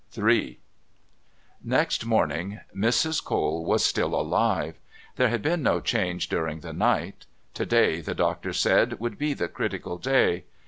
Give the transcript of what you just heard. III Next morning Mrs. Cole was still alive. There had been no change during the night; to day, the doctor said, would be the critical day.